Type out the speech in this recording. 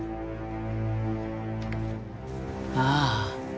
ああ。